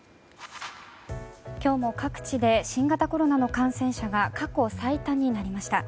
今日も各地で新型コロナの感染者数が過去最多になりました。